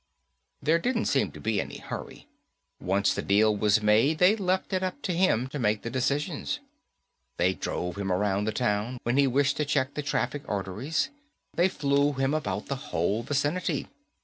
There didn't seem to be any hurry. Once the deal was made, they left it up to him to make the decisions. They drove him around the town, when he wished to check the traffic arteries. They flew him about the whole vicinity.